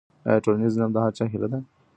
آیا ټولنیز نظم د هر چا هيله ده؟